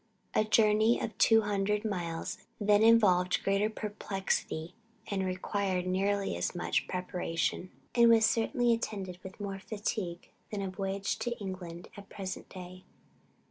A journey of two hundred miles then involved greater perplexity and required nearly as much preparation, and was certainly attended with more fatigue than a voyage to England at the present day.